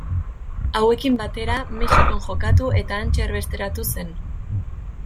Hauekin batera Mexikon jokatu eta hantxe erbesteratu zen.